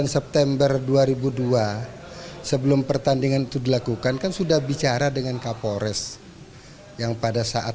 sembilan september dua ribu dua sebelum pertandingan itu dilakukan kan sudah bicara dengan kapolres yang pada saat